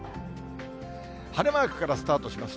晴れマークからスタートします。